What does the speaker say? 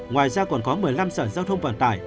ngoài ra còn có một mươi năm sở giao thông vận tải